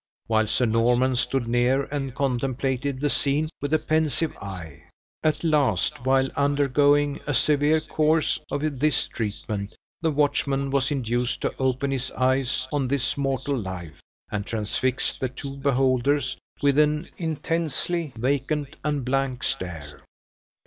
while Sir Norman stood near and contemplated the scene with a pensive eye. At last while undergoing a severe course of this treatment the watchman was induced to open his eyes on this mortal life, and transfix the two beholders with, an intensely vacant and blank share.